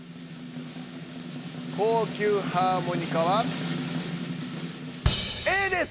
高級ハーモニカはＡです！